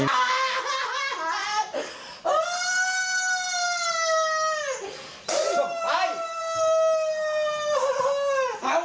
โอ้โฮ